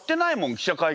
記者会見